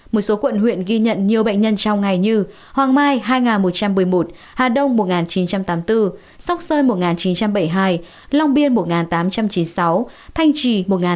một số quận huyện ghi nhận nhiều bệnh nhân trong ngày như hoàng mai hai một trăm một mươi một hà đông một chín trăm tám mươi bốn sóc sơn một chín trăm bảy mươi hai long biên một tám trăm chín mươi sáu thanh trì một tám trăm hai mươi